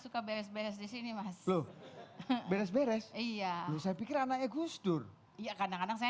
suka beres beres di sini mas loh beres beres iya saya pikir anaknya gus dur iya kadang kadang saya